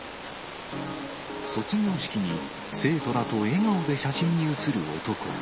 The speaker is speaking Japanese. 卒業式に生徒らと笑顔で写真に写る男。